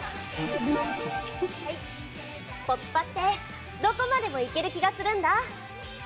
ポピパってどこまでも行ける気がするんだ。